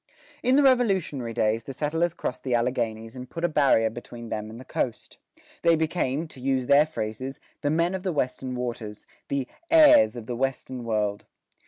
In the Revolutionary days, the settlers crossed the Alleghanies and put a barrier between them and the coast. They became, to use their phrases, "the men of the Western waters," the heirs of the "Western world."